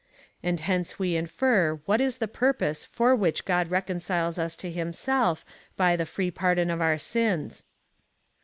And hence we infer what is the purpose for which God reconciles us to himself by the free pardon of our sins.